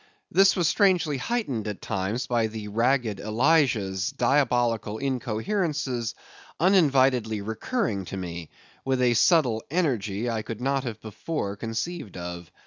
This was strangely heightened at times by the ragged Elijah's diabolical incoherences uninvitedly recurring to me, with a subtle energy I could not have before conceived of.